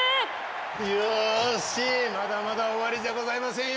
よしまだまだ終わりじゃございませんよ！